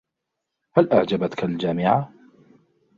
هل أعجبتك الجامعة ؟